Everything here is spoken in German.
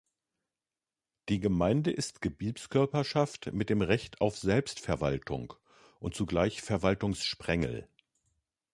Die Gemeinde ist Gebietskörperschaft mit dem Recht auf Selbstverwaltung und zugleich Verwaltungssprengel.